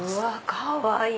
かわいい！